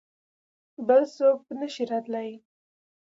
بل څوک نه شي راتلای.